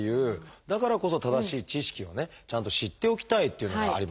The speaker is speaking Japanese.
だからこそ正しい知識をねちゃんと知っておきたいっていうのがありますね。